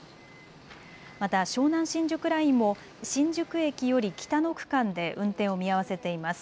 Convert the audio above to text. また湘南新宿ラインも新宿駅より北の区間で運転を見合わせています。